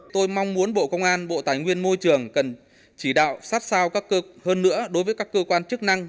tôi mong muốn bộ công an bộ tài nguyên môi trường cần chỉ đạo sát sao hơn nữa đối với các cơ quan chức năng